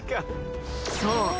そう！